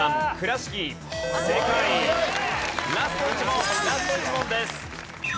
ラスト１問です。